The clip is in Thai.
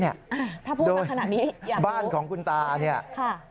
ถ้าพูดมาขนาดนี้อย่าพูด